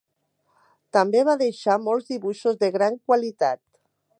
També va deixar molts dibuixos de gran qualitat.